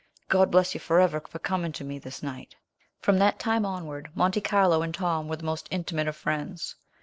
God bless you forever for coming to me this night." From that time onward, Monte Carlo and Tom were the most intimate of friends.